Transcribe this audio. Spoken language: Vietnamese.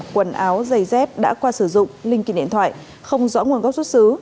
quần áo giày dép đã qua sử dụng linh kiện điện thoại không rõ nguồn gốc xuất xứ